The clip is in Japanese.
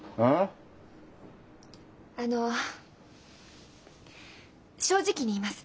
あの正直に言います。